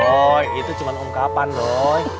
doi itu cuma ungkapan doi